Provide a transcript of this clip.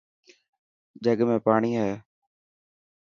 جڳ ۾ پاڻي هي.